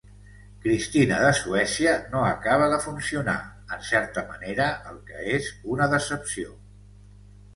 "Cristina de Suècia" no acaba de funcionar, en certa manera, el que és una decepció.